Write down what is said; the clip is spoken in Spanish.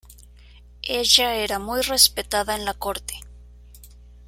Ella era muy respetada en la corte.